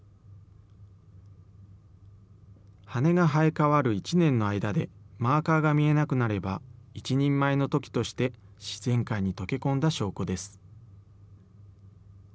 羽が生え変わる１年の間で、マーカーが見えなくなれば、一人前のトキとして自然界に溶け込んだ証拠です。